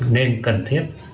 nên cần thiết